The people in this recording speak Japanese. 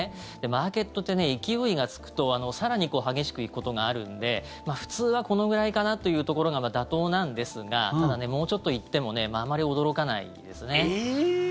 マーケットって勢いがつくと更に激しく行くことがあるので普通はこのぐらいかなというところが妥当なんですがただ、もうちょっと行ってもあまり驚かないですね。